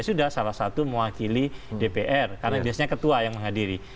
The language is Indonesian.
sudah salah satu mewakili dpr karena biasanya ketua yang menghadiri